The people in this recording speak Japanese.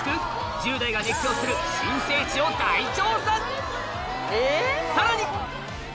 １０代が熱狂する新聖地を大調査！